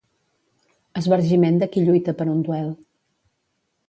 Esbargiment de qui lluita per un duel.